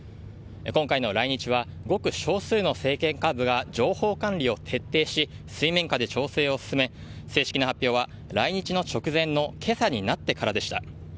今回の来日はごく少数の政権幹部が情報管理を徹底し水面下で調整を進め正式な発表は、来日の直前の今朝になってからでした。